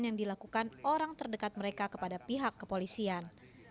yang dilakukan orang terdekat mereka kepada pihak kepolisian